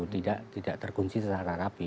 tidak terkunci secara rapi